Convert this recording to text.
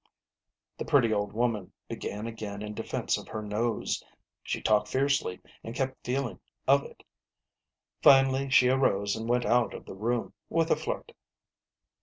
The pretty old woman began again in defence of her nose ; she talked fiercely, and kept feeling of it. Finally she arose and went out of the room with a flirt.